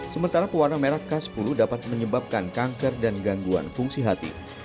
sementara pewarna merah k sepuluh dapat menyebabkan kanker dan gangguan fungsi hati